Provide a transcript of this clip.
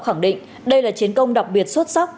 khẳng định đây là chiến công đặc biệt xuất sắc